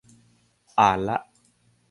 อ่านละ